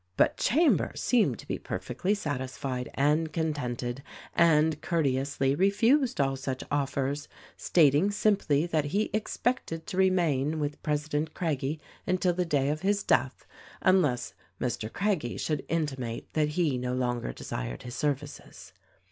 But Chambers seemed to be perfectly satisfied and 156 THE RECORDING ANGEL contented, and courteously refused all such offers — stat ing simply that he expected to remain with President Crag gie until the day of his death, unless Mr. Craggie should intimate that he no longer desired his services.